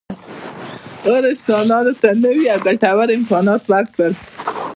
اور انسانانو ته نوي او ګټور امکانات ورکړل.